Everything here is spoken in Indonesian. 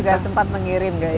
kita juga sempat mengirim guys